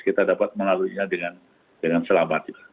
kita dapat melaluinya dengan selamat